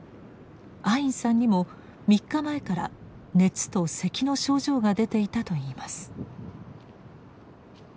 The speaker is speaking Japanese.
アインさんにも３日前から熱と咳の症状が出ていたといいます。